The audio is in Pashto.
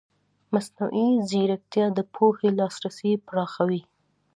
مصنوعي ځیرکتیا د پوهې لاسرسی پراخوي.